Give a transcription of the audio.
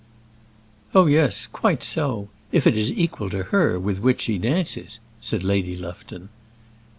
"Oh, yes; quite so; if it is equal to her with which she dances," said Lady Lufton.